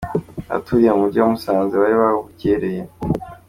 Abaturiye umujyi wa Musanze bari babukereye.